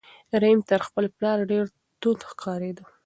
رحیم تر خپل پلار ډېر توند ښکارېده.